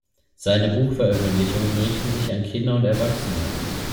Seine Buchveröffentlichungen richten sich an Kinder und Erwachsene.